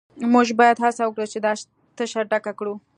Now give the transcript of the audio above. موږ باید هڅه وکړو چې دا تشه ډکه کړو